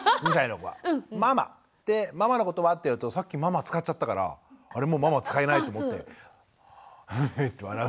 でママのことはってやるとさっきママ使っちゃったから「あれ？もうママ使えない」と思ってフフフッて笑う。